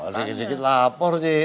dikit dikit lapor sih